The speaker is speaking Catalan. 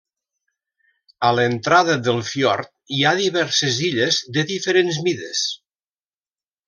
A l'entrada del fiord hi ha diverses illes de diferents mides.